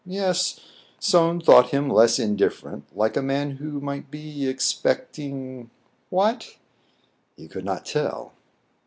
Yes, Soun thought him less indifferent, like a man who might be expecting — what ? He could not tell.